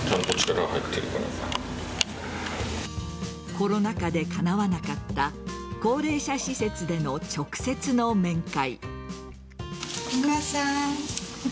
コロナ禍でかなわなかった高齢者施設での直接の面会。